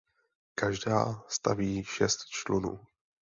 Každá staví šest člunů.